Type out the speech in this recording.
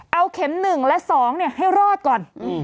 เอาเข็ม๑และ๒ให้รอดก่อน